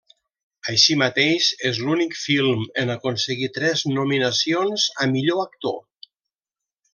Així mateix és l'únic film en aconseguir tres nominacions a millor actor.